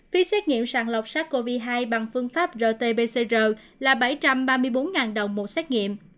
phí xét nghiệm sàng lọc sars cov hai bằng phương pháp rt pcr là bảy trăm ba mươi bốn đồng một xét nghiệm